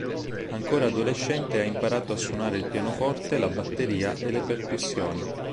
Ancora adolescente ha imparato a suonare il pianoforte, la batteria e le percussioni.